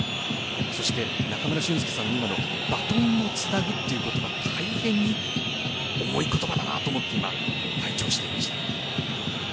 中村俊輔さんのバトンをつなぐという言葉大変に重い言葉だなと思って拝聴していました。